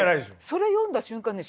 それ読んだ瞬間ね